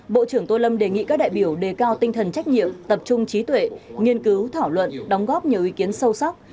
bộ trưởng tô lâm đề nghị các đại biểu đề cao tinh thần trách nhiệm tập trung trí tuệ nghiên cứu thảo luận đóng góp nhiều ý kiến sâu sắc